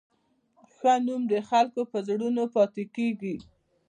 ښه نوم د خلکو په زړونو پاتې کېږي.